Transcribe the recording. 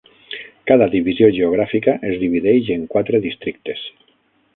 Cada divisió geogràfica es divideix en quatre districtes.